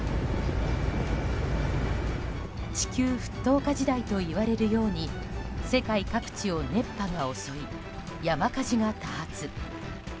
地球沸騰化時代といわれるように世界各地を熱波が襲い山火事が多発。